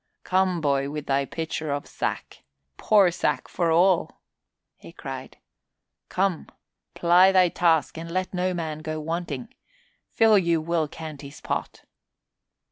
"Come, boy, with thy pitcher of sack! Pour sack for all!" he cried. "Come, ply thy task and let no man go wanting. Fill you Will Canty's pot."